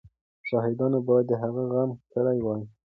شاهانو باید د هغې غم کړی وای.